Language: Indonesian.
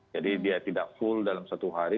jadi dia tidak full dalam satu hari